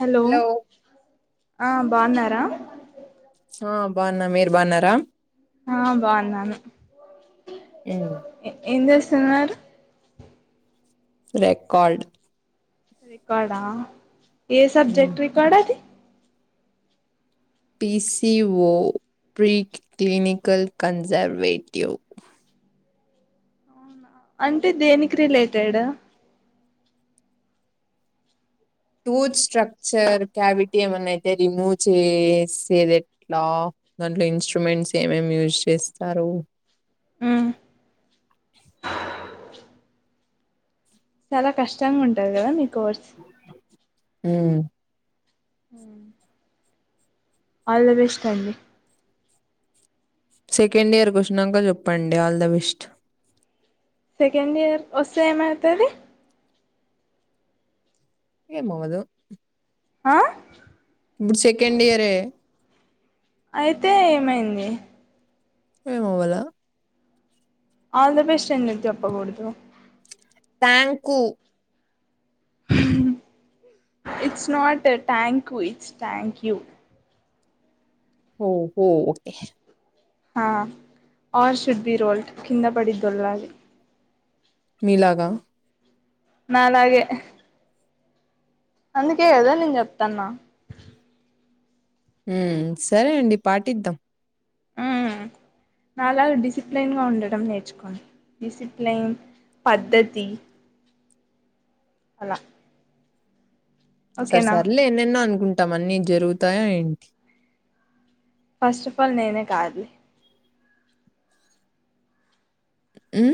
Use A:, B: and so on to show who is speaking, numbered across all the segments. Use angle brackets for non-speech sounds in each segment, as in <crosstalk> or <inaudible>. A: Hello ఆ బాగున్నారా
B: ఆ బావున్న మీరు బాగున్నారా
A: ఆ బాగున్నాను ఏం చేస్తున్నారు
B: రెకార్డ్
A: రికార్డ్ ఆ ఏ సబ్జెక్ట్ రికార్డ్ అది
B: పీసి ఓ ప్రీ క్లినిికల్ కన్జర్వేటివ్
A: అంటే దేనికి రిలేటెడ్
B: టూత్ స్ట్రక్చర్ క్యావిటీ ఏమనైతే రిమూవ్ చేసేది ఎట్లా దాంట్లో ఇన్స్ట్రుమెంట్స్ ఏమేమి యూజ్ చేస్తారు
A: మ్ చాలా కష్టంగా ఉంటది కదా మీ కోర్స్
B: హుమ్
A: హుమ్ ఆల్ ద బెస్ట్ అండి
B: సెకండ్ ఇయర్ కూ వచ్చినంక చెప్పండి all the best
A: second year వస్తే ఏమైతది
B: ఏమవ్వదు
A: హ
B: ఇప్పుడు సెకండ్ ఇయరే
A: అయితే ఏమైంది
B: ఏమవ్వలా
A: ఆల్ ద బెస్ట్ ఎందుకు చేప్పకూడదు
B: thank you
A: it's not thank you it's thank you
B: హు హు ఓకే
A: హ ఆర్ షుడ్ బి రోల్ట్ కింద పడి దోల్లాలి
B: మీలాగా
A: నాలగే అందుకే కద నేను చెప్తాన్నా
B: హుమ్ సరే అండి పాటిద్దాం
A: హుమ్ నాలాాగా డిసిప్లైన్ గా ఉండడం నేర్చుకోడి డిసిప్లైన్ పద్ధతి అలా
B: సరే
A: ఓకేనా
B: సర్ ఏలేన్నెన్నో అనుకుంటాం అన్నీ జరుగుతాయ ఏంటి
A: ఫస్ట్ ఆఫ్ ఆల్ నేనే కాదులే
B: మ్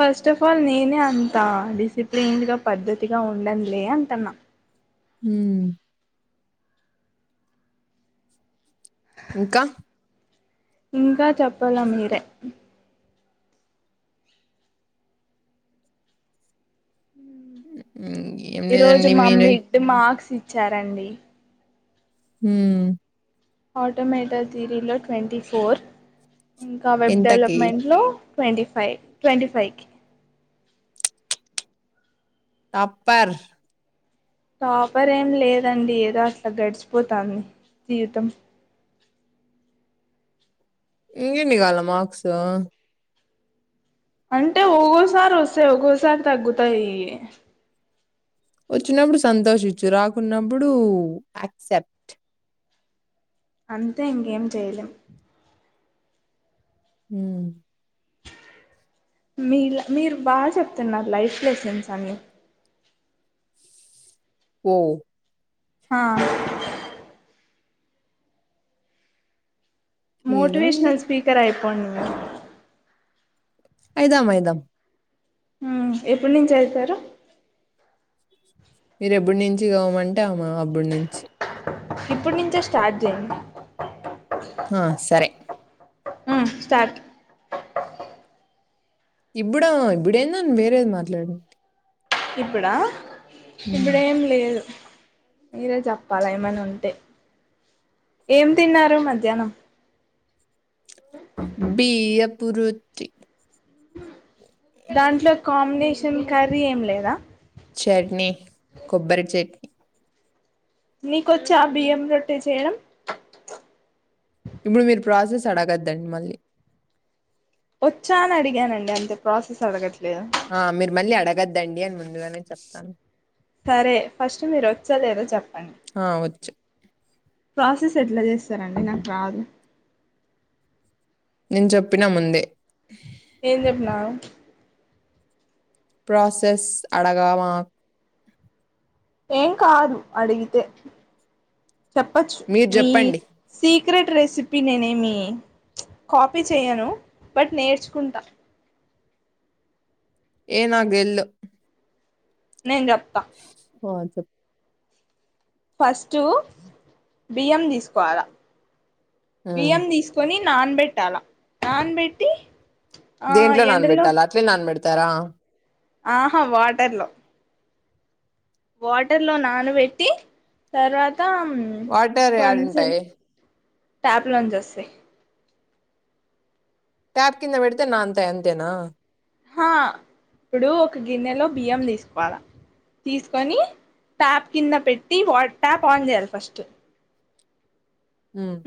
A: ఫస్ట్ ఆఫ్ ఆల్ నేనే అంత డిసిప్లిన్డ్గా పద్ధతిగా ఉండనులే అంటన్నా
B: హుమ్ ఇంకా
A: ఇంకా చెప్పాల మీరే
B: <unintelligible> ఏం
A: ఈ రోజు
B: లేదండి మీరే
A: మమ్మీ ఇడ్ మార్క్స్ ఇచ్చారండి.
B: ఉ
A: ఆటోమేటల్ థరీలో ట్వంటీ ఫోర్ ఇంకా వెబ్
B: ఇంతకీ
A: డెవలప్మెంట్లో ట్వంటీ ఫైవ్ ట్వంటీ ఫైవ్కి
B: టాపర్
A: టాపర్ ఏం లేదండి ఏదో అట్లా గడిచిపోతాంది జీవితం, <unintelligible>
B: ఇకేంని కావాలే మార్క్స్
A: అంటే ఒగోసారి వస్తాయి, ఒగోసారి తగ్గుతాయి.
B: వచ్చినప్పుడు సంతోషించు రాకున్నప్పుడు యాక్సెప్ట్
A: అంతే ఇంకేం చేయలేం
B: ఉ
A: మీ మీరు బాగా చెప్తున్నారు లైఫ్ లెసన్స్ అని
B: ఉ
A: హా
B: ఏదో అండి
A: మోటివేషనల్ స్పీకర్ అయిపోండి మీ
B: అయిదాం అయిదాం
A: ఊ ఎప్పుడి నుంచి అయితారు,
B: మీరు ఎప్పుడు నుంచి కావమంటే ఆమ అప్పుడి నుంచి
A: ఇప్పుడు నుంచే స్టార్ట్ చేయండి.
B: ఆ సరే
A: ఉ స్టార్ట్
B: ఇప్పుడా ఇప్పుడేందన్ వేరేది మాట్లాడు,
A: ఇప్పుడా ఇప్పుడేం లేదు మీరే చెప్పాలా ఏమన్న ఉంటే ఏం తిన్నారు మధ్యాహ్నం
B: బియ్యపురోత్తి
A: దాంట్లో కాంబినేషన్ కర్రీ ఏం లేదా
B: చెట్నీ కొబ్బరి చెట్
A: నీకొచ్చా బియ్యం రొట్టె చేయడం
B: ఇప్పుడు మీరు ప్రసెస్ అడగద్దండి, మళ్ళీ
A: వచ్చా అని అడిగానండి, అంతే ప్రసెస్ అడగట్లే
B: ఆ మీరు మళ్ళీ అడగద్దండి అని ముందుగానే చెప్తాను.
A: సరే ఫస్ట్ మీరు వచ్చ లేదా చెప్పండి.
B: ఆ వచ్చు
A: ప్రసెస్ ఎట్లా చేస్తారండి, నాకు రాదు
B: నేన్ చెప్పిన ముందే
A: ఏం చెప్పినారు,
B: ప్రసెస్ అడగామా
A: ఏం కాదు అడిగితే చెప్పచ్చు
B: మీరు
A: మీ
B: చెప్పండి
A: సీక్రెట్ రెసిపీ నేనే నేను ఏమి కాఫీ చేయను బట్ నేర్చుకుంటా,
B: ఏనగెల్
A: నేన్ చెప్తా
B: ఆ చెప్
A: ఫస్ట్ బియ్యం తీసుకోవాలా
B: ఉమ్
A: బియ్యం తీసుకొని, నాన్ బెట్టాలా నాన్ బెట్టి
B: దేంట్లో నానబెట్టాల అట్లే నానబెడతారా,
A: ఆహా వాటర్ లో వాటర్ లో నానబెట్టి తర్వా
B: వాటర్ యాడుంటాయ్
A: ట్యాప్ లో నుంచి వస్తాయ్
B: ట్యాప్ కింద పెడితే నాన్ తాయ్ అంతేనా
A: హా ఇప్పుడు ఒక గిన్నెలో బియ్యం తీసుకోవాలా తీసుకొని ట్యాప్ కింద పెట్టి వా ట్యాప్ ఆన్ చేయాలి ఫస్ట్
B: హ్మ్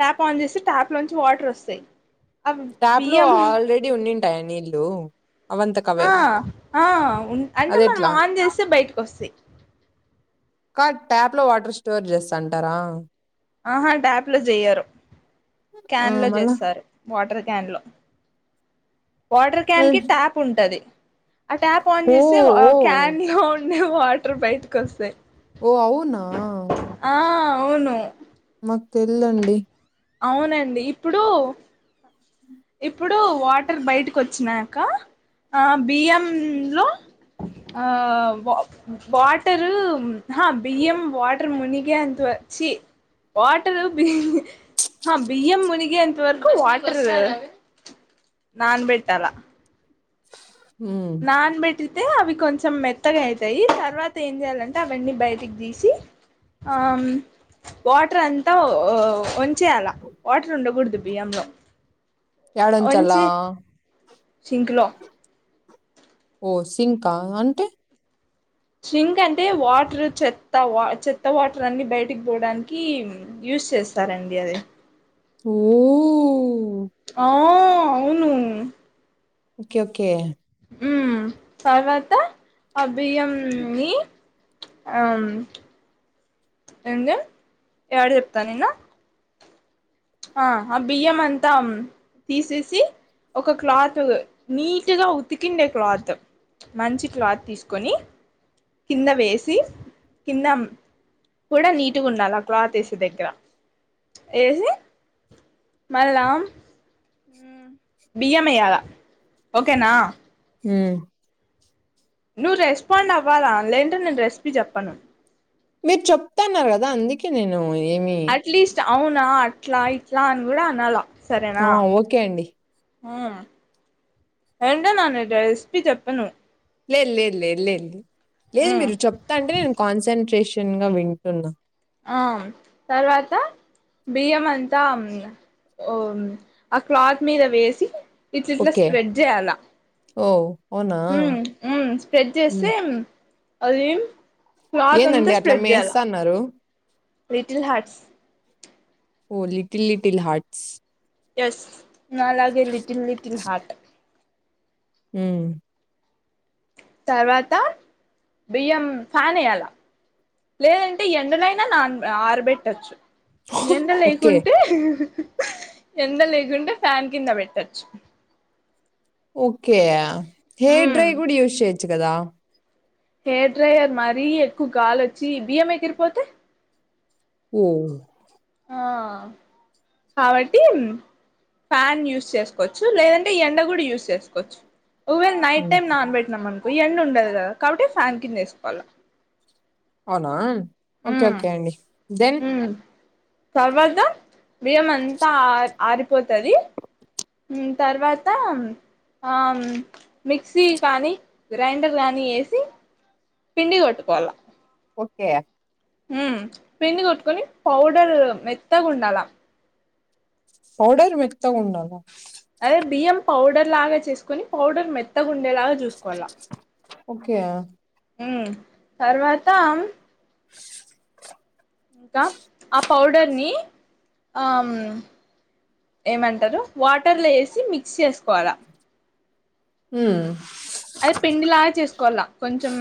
A: ట్యాప్ ఆన్ చేస్తే ట్యాప్ లోంచి వాటర్ వస్తాయ్
B: ట్యాప్ లో ఆల్రెడీ ఉండింటాయా నీళ్లు
A: ఆ ఆ ఉం అంటే మనం
B: అదెట్లా
A: ఆన్ చేస్తే బయటకి వస్తాయ్
B: కా ట్యాప్ లో వాటర్ స్టోర్ చేస్తాంటారా
A: ఆహా ట్యాప్ లో చేయ్యరు
B: ఆ
A: క్యాన్ లో
B: మళ్ళా
A: చేస్తారు వాటర్ క్యాన్ లో వాటర్ క్యాన్ కి
B: మళ్ళీ-
A: ట్యాప్ ఉంటది ఆ ట్యాప్ ఆన్
B: ఓ
A: చేస్తే
B: ఓ
A: క్యాన్ లో ఉండే వాటర్ బయటకి వస్తాయ్
B: ఓ అవునా
A: అవును
B: మాకు తెల్దండి
A: అవునండి ఇప్పుడు ఇప్పుడు వాటర్ బయటకు వచ్చినాక ఆ బియ్యం లో ఆ వాటర్ ఆ బియ్యం వాటర్ ముని ఎంత్వా చి వాటర్ బి బియ్యం మునిగెంత వరకు వాటర్ నాన్ బెట్టాలా
B: హ్మ్
A: పెట్టితే అవి కొంచం మెత్తగా అయితాయి తర్వాత ఏం చెయాలంటే అవన్నీ బయటికి తీసి ఆ వాటర్ అంతా వొన్ చేయాల వాటర్ ఉండకూడదు బియ్యంలో
B: యాడుంచాల
A: సింక్లో
B: ఓ సింకా అంటే
A: సింక్ అంటే వాటర్ చెత్త వా చెత్త వాటర్ అన్ని బయటికి పోవడానికి యూ యూస్ చేస్తారండి అది
B: ఓ
A: ఆ అవును
B: ఓకే ఓకే
A: హ్మ్ తర్వాతా ఆ బియ్యం ని అమ్ ఏంది యాడ చెప్తానింది ఆ ఆ బియ్యం అంతా తీసేసి ఒక క్లాత్ నీటిగా ఉతికేండే క్లాత్ మంచి క్లాత్ తీసుకొని కింద వేసి కింద కూడా నీటిగా ఉండాలా క్లాత్ వేసే దగ్గర ఎసి మళ్ళం బియ్యం వేయలా ఓకేనా
B: హ్మ్
A: నువ్వు రెస్పాండ్ అవ్వాలా లేదంటే నేను రెసిపీ చెప్పను
B: మీరు చెప్తన్నారు కదా అందుకే నేను ఏమి
A: అట్లీస్ట్ అవునా అట్లా ఇట్లా అని కూడా అనాల
B: ఆ ఓకే అండి
A: ఆ ఏంటనన్న రెసిపీ చెప్పను
B: లేదు లేదు లేదు లేదు లే లేదు మీరు చెప్తాంటే నేను కాన్సన్ట్రేషన్‌గా వింటున్నా
A: ఆమ్ తర్వాత బియ్యం అంతా ఓ ఆ క్లాత్ మీద వేసి ఇట్లిట్లా
B: ఓకే
A: స్ప్రెడ్ చేయాలా
B: ఓ అవునా
A: ఉమ్మ్ ఉమ్మ్ స్ప్రెడ్ చేస్తే
B: హ్మ్
A: అదిం క్లాత్
B: ఏందండి
A: అంతా
B: అట్లా
A: స్ప్రెడ్ చేయ్యాల
B: మేస్తన్నారు
A: లిటిల్ హార్ట్స్
B: ఓ లిటిల్ లిటిల్ హార్ట్స్
A: ఎస్ నాలాగే లిటిల్ లిటిల్ హార్ట్
B: హ్మ్
A: తర్వాత బియ్యం ఫ్యాన్ ఎయ్యాల లేదంటే ఎండనైనా నాన్ ఆరబెట్టచ్చు ఎండ
B: ఓకే
A: లేకుంటే ఎండ లేకుంటే ఫ్యాన్ కింద పెట్టచ్చు
B: ఓకే హేర్ డ్రై
A: ఉమ్
B: కూడా యూస్ చేయచ్చు కదా
A: హెయిర్ డ్రయర్ మరీ ఎక్కువ గాలుొచ్చి బియ్యం ఎగిరిపోతే
B: ఓ
A: ఆ కాబట్టిం ఫ్యాన్ యూస్ చేసుకోవచ్చు లేదంటే ఎండ కూడా యూస్ చేసుకోవచ్చు ఒకవేళ నైట్
B: హ్మ్
A: టైం నానబెట్టినాం అనుకో ఎండుండదు కదా కాబట్టి ఫ్యాన్ కింద ఏసుకోవాలా
B: అవునా ఓకే ఓకే అండి దెన్
A: ఉమ్ తర్వాత బియ్యం అంతా ఆ ఆరిపోతది మ్మ్ తర్వాత ఆమ్ మిక్సీ కానీ గ్రైండర్ కానీ ఏసి పిండి గోట్టుకోవాలా
B: ఓకే
A: మ్మ్ పిండి కొట్టుకొని పౌడర్ మెత్తగుండాలా
B: పౌడర్ మెత్తగుండాల
A: అదే బియ్యం పౌడర్ లాగా చేసుకోని పౌడర్ మెత్తగుండేలాగా చూసు
B: ఓకే
A: హ్మ్ తర్వాత ఇంకా ఆ పౌడర్‌ని ఆమ్ ఏమంటారు వాటర్లో ఎసి మిక్స్ చేసుకోవాలా
B: హ్మ్
A: అదే పిండిలాగా చేసుకోవాల కొంచెం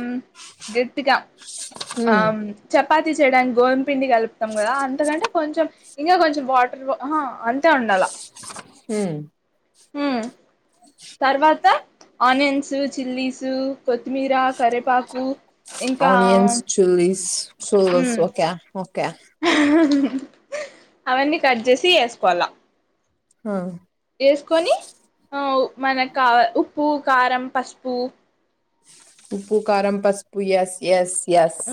A: గట్టిగా
B: హ్మ్
A: ఆమ్ చ పాతి చేయడానికి గోధుమపిండి కలుపుతాం కదా అంతకంటే కొంచెం ఇంకా కొంచెం వాటర్ అహ అంతే ఉండాల
B: హ్మ్
A: మ్మ్ తర్వాత ఆనియన్స్ చిల్లీసు కొత్తిమీర కరేపాకు ఇంకా
B: షూల్స్
A: ఉమ్
B: ఓక్య ఓక్య
A: అవన్నీ కట్ చేసి ఏసుకోవాల
B: హ
A: ఏస్కొని అవ్ మనకి కావా ఉప్పు కారం పసుపు
B: ఉప్పు కారం పసుపు యస్ యస్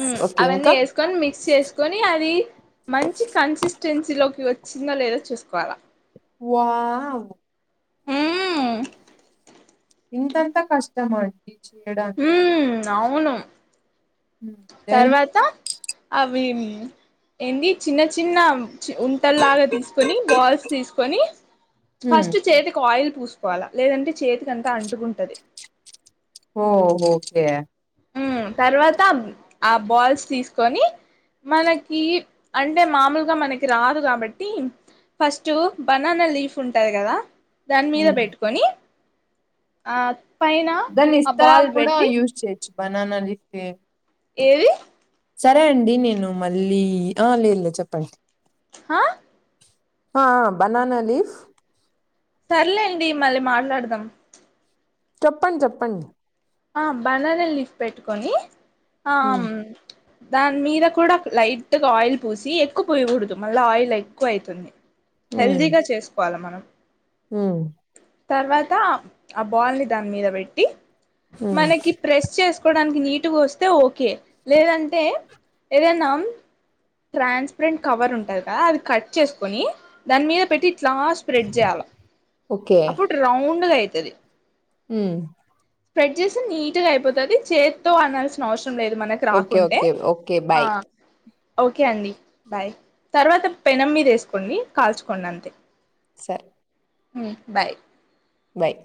A: మ్మ్ అవన్నీ ఏసుకొని మిక్స్ చేసుకొని అది మంచి కన్సిస్టెన్సీలోకి వ చ్చిందో లేదో చూసుకోవాలా
B: వావ్
A: మ్మ్
B: ఇంతంత కష్టమ అండి చేయడానికి
A: మ్మ్ అవును
B: ఎన్
A: తర్వాత అవి ఏంది చిన్న చిన్న ఉంటల్లాగ తీసుకొని బాల్స్ తీసుకొని
B: హ్మ్
A: ఫస్ట్ చేతికి ఆయిల్ పూసుకోవాలా లేదంటే చేతికి అంతా అంటుకుంటది
B: ఓహ్ ఒకె
A: ఉమ్ తర్వాత ఆ బాల్స్ తీస్కొని మనకి అంటే మామూల్గా మనకి రాదు కాబట్టి ఫస్టు బనాన లీఫ్ ఉంటది కదా దాని మీద
B: హ్మ్
A: పెట్టుకొని ఆ పైన
B: దాన్ని
A: ఆ
B: ఇస్తా
A: బాల్
B: రాక్కూడ
A: పెట్టి
B: యూస్్ చేయొచ్చు బనానా లిఫ్ే
A: ఏరి
B: సరే అండి నేను మళ్ళీ ఆ లేద్ లేదు చెప్పండి
A: హా
B: హా బనాన లీఫ్
A: సర్లేండి మళ్ళీ మాట్లాడదాం
B: చెప్పండ్ చెప్పండి
A: ఆ బనాన లీఫ్ పెట్టుకొని హా ఆమ్
B: ఉమ్,
A: దాని మీద కూడా లైట్గ ఆయిల్ పోసి ఎక్కువ పోయకూడదు మళ్ళా ఆయిల్ ఎక్కువ అయితుంది హెల్దీగ చేస్కోవాలి మనం
B: హువ్
A: తర్వాత ఆ బాల్ ని దాని మీద పెట్టి
B: ఉమ్.
A: మనకి ప్రెస్ చేస్ కోడానికి నీటుగా వస్తే ఓకే లేదంటే ఏదైన ట్రాన్స్పరెంట్ కవర్ ఉంటది కదా అది కట్ చేసుకుొని దాని మీద పెట్టి ఇట్లా స్ప్రెడ్ చేయాల
B: ఓకే
A: అప్పుడు రౌండ్గా అవుతుంది
B: ఉమ్
A: స్ప్రెడ్ చేసి నీట్ గా అయిపోతది చేత్తో అనాల్సిన అవసం రం లేదు మనకు
B: ఓకే
A: రాకుంటే
B: ఓకే ఓకే బాయ్
A: ఓకే అండి బాయ్ తర్వాత పెనం మీద వేసుకోండి కాల్చుకోండి అంతే
B: సరె
A: మ్ బాయ్
B: బయ్